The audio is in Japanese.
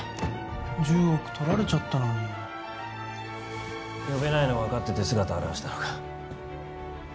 １０億取られちゃったのに呼べないのを分かってて姿現したのか？